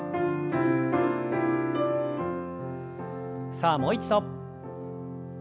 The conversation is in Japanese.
さあもう一度。